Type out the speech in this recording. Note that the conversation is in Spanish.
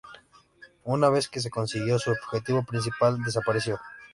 Una vez que se consiguió su objetivo principal, desapareció.